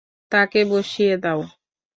তাকে বসিয়ে দাও।